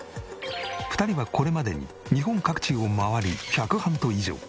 ２人はこれまでに日本各地を回り１００ハント以上。